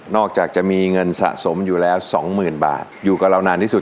อกจากจะมีเงินสะสมอยู่แล้ว๒๐๐๐บาทอยู่กับเรานานที่สุด